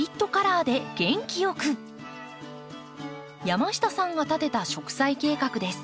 山下さんが立てた植栽計画です。